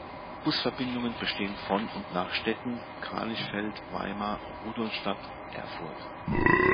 Busverbindungen bestehen von und nach Stedten, Kranichfeld, Weimar, Rudolstadt, Erfurt.